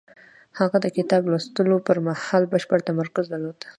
هغه د کتاب لوستلو پر مهال بشپړ تمرکز درلود.